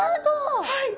はい。